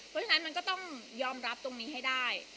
เพราะฉะนั้นมันก็ต้องยอมรับตรงนี้ให้ได้